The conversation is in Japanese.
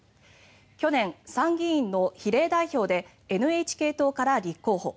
去年、参議院の比例代表でＮＨＫ党から立候補。